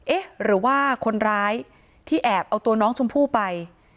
เอ๊ะหรือว่าคนร้ายที่แอบเอาตัวน้องชมพู่ไป